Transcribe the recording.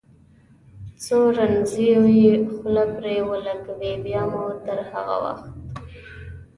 څو زنځیرونه یې خوله پرې ولګوي، بیا مو تر هغه وخت.